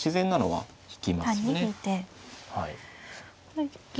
はい。